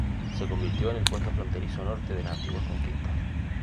Se convirtió en el puesto fronterizo norte de las antiguas conquistas.